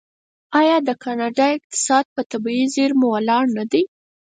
آیا د کاناډا اقتصاد په طبیعي زیرمو ولاړ نه دی؟